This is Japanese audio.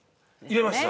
入れました。